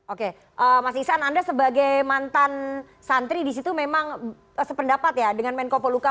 oke mas isan anda sebagai mantan santri disitu memang sependapat ya dengan menko poluka